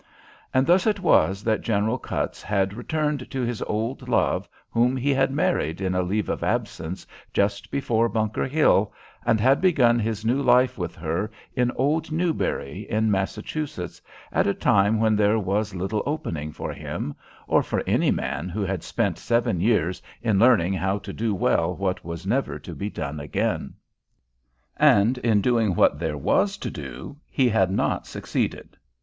And thus it was that General Cutts had returned to his old love whom he had married in a leave of absence just before Bunker Hill, and had begun his new life with her in Old Newbury in Massachusetts, at a time when there was little opening for him, or for any man who had spent seven years in learning how to do well what was never to be done again. And in doing what there was to do he had not succeeded.